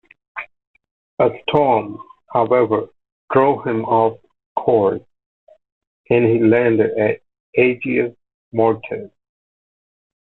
A storm, however, drove him off course, and he landed at Aigues-Mortes.